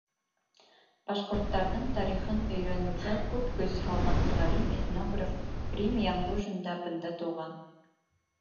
Башҡорттарҙың тарихын өйрәнеүгә күп көс һалған ғалим-этнограф Рим Янғужин да бында тыуған.